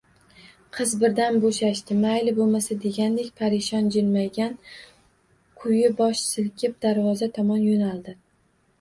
Qiz birdan boʼshashdi. «Mayli, boʼlmasa», degandek parishon jilmaygan kuyi bosh silkib, darvoza tomon yoʼnaldi.